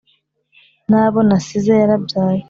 N'abo nasize yarabyaye